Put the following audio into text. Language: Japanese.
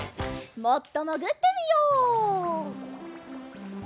もっともぐってみよう。